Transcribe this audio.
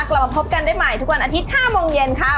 กลับมาพบกันได้ใหม่ทุกวันอาทิตย์๕โมงเย็นค่ะ